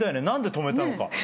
何で止めたのか？